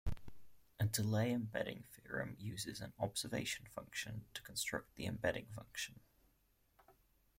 A delay embedding theorem uses an "observation function" to construct the embedding function.